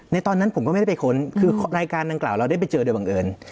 ตอนนั้นผมก็ไม่ได้ไปค้นคือรายการดังกล่าวเราได้ไปเจอโดยบังเอิญ